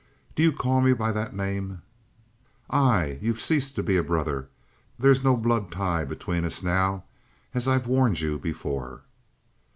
"Do you call me by that name?" "Aye. You've ceased to be a brother. There's no blood tie between us now, as I warned you before."